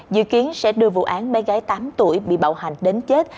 dự kiến sẽ đưa vụ án bé gái tám tuổi bị bạo hành đến chết